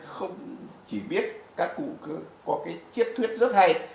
không chỉ biết các cụ có cái chiếc thuyết rất hay